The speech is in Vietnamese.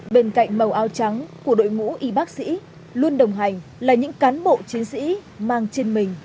bên cạnh màu áo trắng của đội ngũ y bác sĩ luôn đồng hành là những cán bộ chiến sĩ mang trên mình